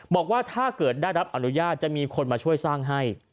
บอกว่าถ้าเกิดได้รับอนุญาตจะมีคนมาช่วยสร้างให้